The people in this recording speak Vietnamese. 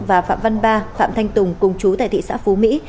và phạm văn ba phạm thanh tùng cùng chú tại thị xã phú mỹ